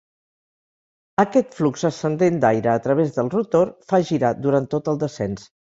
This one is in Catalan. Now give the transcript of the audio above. Aquest flux ascendent d'aire a través del rotor fa girar durant tot el descens.